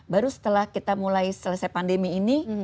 baru setelah kita mulai selesai pandemi ini